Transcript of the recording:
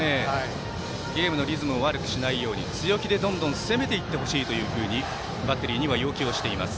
ゲームのリズムを悪くしないように強気にどんどん攻めていってほしいというふうにバッテリーには要求しています。